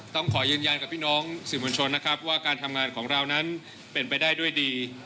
ต้องขอยืนยันกับพี่น้องสื่อมวลชนนะครับว่าการทำงานของเรานั้นเป็นไปได้ด้วยดี